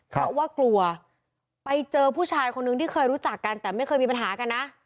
เพราะว่ากลัวไปเจอผู้ชายคนนึงที่เคยรู้จักกันแต่ไม่เคยมีปัญหากันนะ